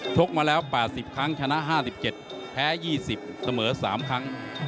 กมาแล้ว๘๐ครั้งชนะ๕๗แพ้๒๐เสมอ๓ครั้ง